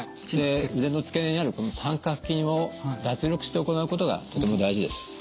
で腕の付け根にあるこの三角筋を脱力して行うことがとても大事です。